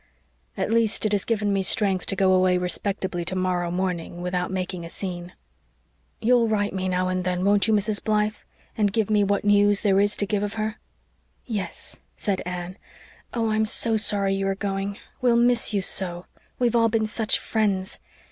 At least, it has given me strength to go away respectably tomorrow morning, without making a scene. You'll write me now and then, won't you, Mrs. Blythe, and give me what news there is to give of her?" "Yes," said Anne. "Oh, I'm so sorry you are going we'll miss you so we've all been such friends!